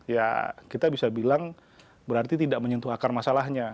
ya kita bisa bilang berarti tidak menyentuh akar masalahnya